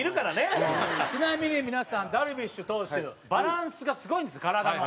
ちなみに皆さんダルビッシュ投手バランスがすごいんです体の。